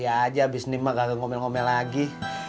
ya aja abis ini mah gak ngomel ngomel lagi